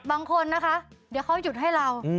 บางคนนะคะเดี๋ยวเขาหยุดให้เรา